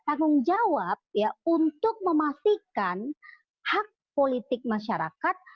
tanggung jawab ya untuk memastikan hak politik masyarakat